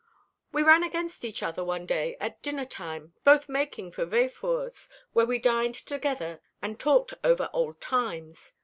We ran against each other one day at dinner time both making for Véfour's, where we dined together and talked over old times.